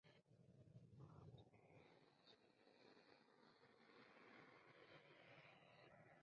Tres plataformas intermedias soportan entre once y doce plantas en cada caso.